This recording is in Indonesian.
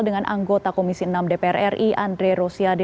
dengan anggota komisi enam dpr ri andre rosiade